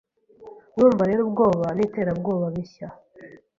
Urumva rero ubwoba n'iterabwoba bishya